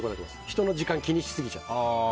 人の時間気にしすぎちゃって。